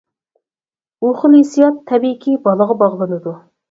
بۇ خىل ھېسسىيات تەبىئىيكى بالىغا باغلىنىدۇ.